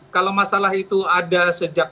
kalau masalah itu ada sejak